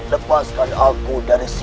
lepaskan aku dari sini